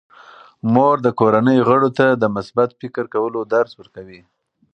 مور د کورنۍ غړو ته د مثبت فکر کولو درس ورکوي.